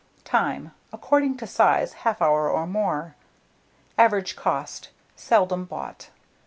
Time. According to size, 1/2 hour or more. Average cost. Seldom bought.